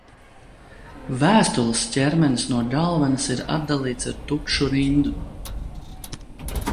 Vēstules ķermenis no galvenes ir atdalīts ar tukšu rindu.